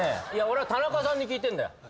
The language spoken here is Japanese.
俺は田中さんに聞いてんだ。